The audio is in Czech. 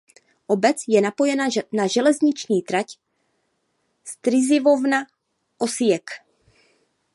Obec je napojena na železniční trať Strizivojna–Osijek.